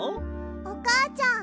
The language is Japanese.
おかあちゃん。